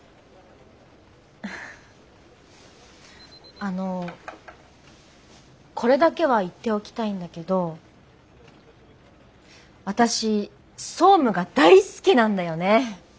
あのこれだけは言っておきたいんだけど私総務が大好きなんだよね。